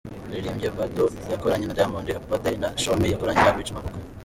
Yaririmbye “Bado” yakoranye na Diamond, “Happy Birthday” na “Show Me” yakoranye na Rich Mavoko.